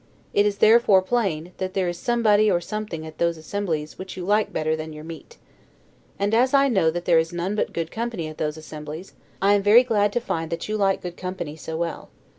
It is therefore plain, that there is somebody or something at those assemblies, which you like better than your meat. And as I know that there is none but good company at those assemblies, I am very glad to find that you like good company so well.